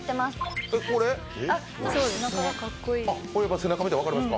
背中見て分かるんですか？